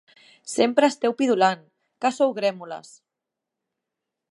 Sempre esteu pidolant, que sou grémoles!